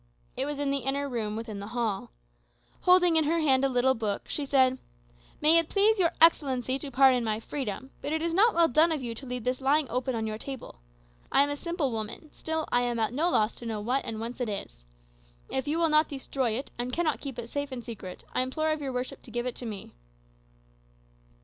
It was in the inner room within the hall. Holding in her hand a little book, she said, "May it please your Excellency to pardon my freedom, but it is not well done of you to leave this lying open on your table. I am a simple woman; still I am at no loss to know what and whence it is. If you will not destroy it, and cannot keep it safe and secret, I implore of your worship to give it to me."